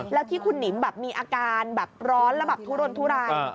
แล้วที่คุณหนิมแบบมีอาการแบบร้อนแล้วแบบทุรนทุราย